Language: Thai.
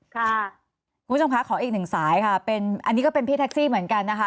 คุณผู้ชมคะขออีกหนึ่งสายค่ะเป็นอันนี้ก็เป็นพี่แท็กซี่เหมือนกันนะคะ